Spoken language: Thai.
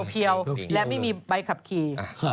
เพียวและไม่มีใบขับขี่